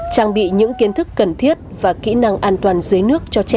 trang bị những kiến thức cần thiết và kỹ năng an toàn dưới nước cho trẻ